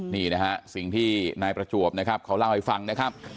นี่นะฮะสิ่งที่นายประจวบนะครับเขาเล่าให้ฟังนะครับ